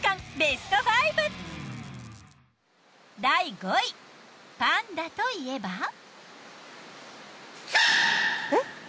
第５位パンダといえば。